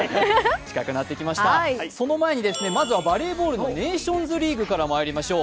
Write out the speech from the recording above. その前にまずはバレーボールのネーションズリーグからまいりましょう。